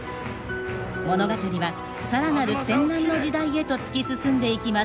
物語は更なる戦乱の時代へと突き進んでいきます。